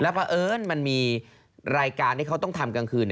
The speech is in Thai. เพราะเอิญมันมีรายการที่เขาต้องทำกลางคืน